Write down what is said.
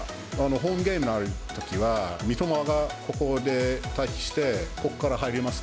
ホームゲームのあるときは、三笘がここで待機して、ここから入ります。